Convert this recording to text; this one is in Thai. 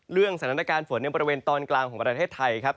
สถานการณ์ฝนในบริเวณตอนกลางของประเทศไทยครับ